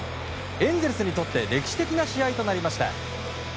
エンゼルスにとって歴史的な試合となりました。